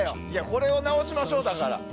これを直しましょう、だから。